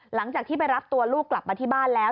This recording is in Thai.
หลังจากที่ไปรับตัวลูกกลับมาที่บ้านแล้ว